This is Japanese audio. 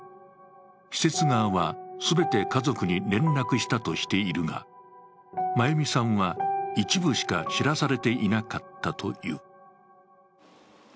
施設側は全て家族に連絡したとしているが眞優美さんは一部しか知らされていなかったという。